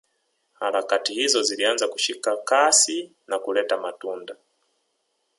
Harakati hizo zilianza kushika kasi na kuleta matunda